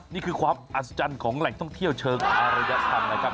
นี่คือความอัศจรรย์ของแหล่งท่องเที่ยวเชิงอารยธรรมนะครับ